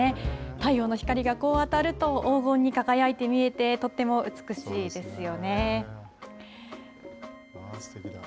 太陽の光がこう当たると黄金に輝いて見えて、とっても美しいですすてきだ。